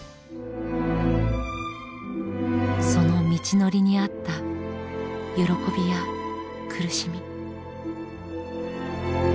その道のりにあった喜びや苦しみ。